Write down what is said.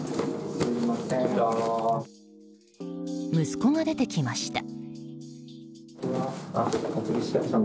息子が出てきました。